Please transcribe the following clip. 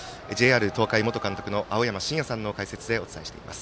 ＪＲ東海元監督の青山眞也さんの解説でお伝えしていきます。